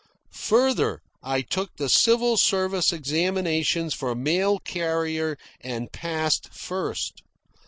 Further, I took the civil service examinations for mail carrier and passed first.